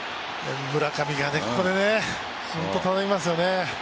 村上がここでね、本当に頼みますよね。